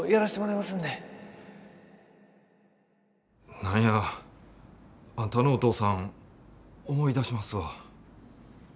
何やあんたのお父さん思い出しますわ。